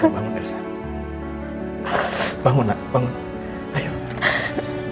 bangun bangun bangun